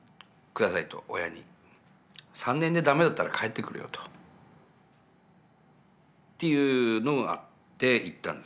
３年で駄目だったら帰ってくるよというのがあって行ったんです